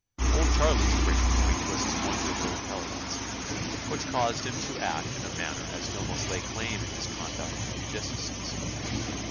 Old Charlie's great point was his wonderful intelligence, which caused him to act in a manner as to almost lay claim in his conduct to judiciousness.